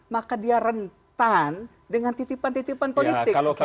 maka dia rentan dengan titipan titipan politik